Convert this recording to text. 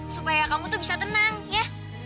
supaya kamu tuh bisa tenang ya